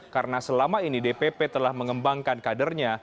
karena selama ini dpp telah mengembangkan kadernya